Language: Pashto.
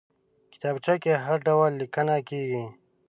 کتابچه کې هر ډول لیکنه کېږي